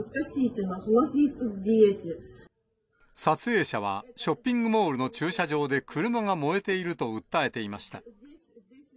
撮影者は、ショッピングモールの駐車場で車が燃えていると訴えていました。